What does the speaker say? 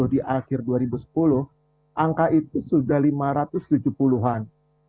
di akhir dua ribu sepuluh angka itu sudah lima ratus tujuh puluh an